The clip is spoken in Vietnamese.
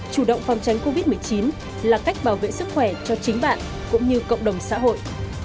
chủ động phòng tránh covid một mươi chín là cách bảo vệ sức khỏe cho chính bạn cũng như cộng đồng xã hội